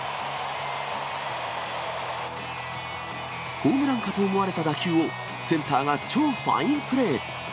ホームランかと思われた打球を、センターが超ファインプレー。